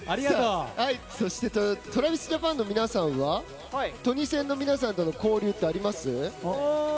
そしてＴｒａｖｉｓＪａｐａｎの皆さんはトニセンの皆さんとの交流ってありますか？